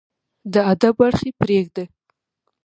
د ادب اړخ يې پرېږده